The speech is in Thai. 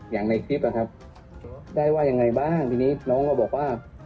อย่างในคลิปนะครับได้ว่ายังไงบ้างทีนี้น้องก็บอกว่า